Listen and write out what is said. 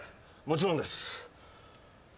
もちろんです。